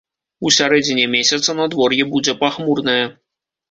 У сярэдзіне месяца надвор'е будзе пахмурнае.